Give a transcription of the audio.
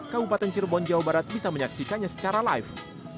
kabupaten cirebon jawa barat bisa menyaksikannya secara live